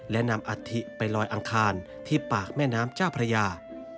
และนำอัฐิไปลอยอังคารที่ปากแม่น้ำเจ้าพระยา